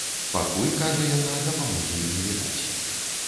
Пакуль, кажа яна, дапамогі не відаць.